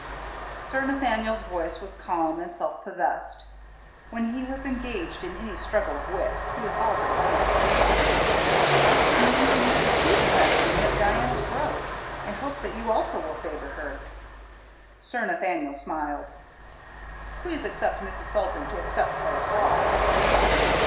Sir Nathaniel's voice was calm and self possessed. When he was engaged in any struggle of wits he was all diplomatist. "She asks Mimi and me to tea this afternoon at Diana's Grove, and hopes that you also will favour her." Sir Nathaniel smiled. "Please ask Mrs. Salton to accept for us all."